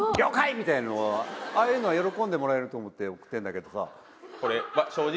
みたいなのああいうのは喜んでもらえると思って送ってんだけどさ